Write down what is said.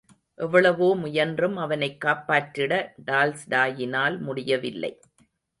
எவ்வளவோ முயன்றும் அவனைக் காப்பாற்றிட டால்ஸ்டாயினால் முடியவில்லை.